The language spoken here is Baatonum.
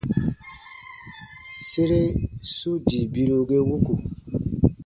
Sere su dii biru ge wuku.